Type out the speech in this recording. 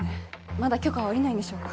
まだ許可は下りないんでしょうか？